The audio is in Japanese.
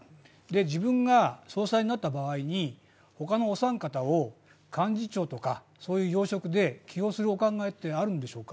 自分が、総裁になった場合に他のお三方を幹事長とか、そういう要職で起用するお考えってあるんでしょうか？